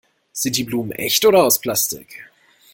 Sind die Blumen echt oder aus Plastik?